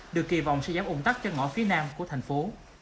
được kỳ vọng sẽ giảm ủng tắc cho ngõ phía nam của thành phố